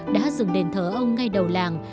đã dừng đền thờ ông ngay đầu làng